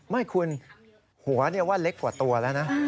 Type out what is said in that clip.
ไม่คุณหัวว่าเล็กกว่าตัวแล้วนะ